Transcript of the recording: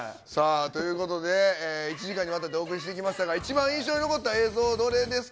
ということで、１時間にわたってお送りしてきましたが、一番印象に残った映像、どれですか？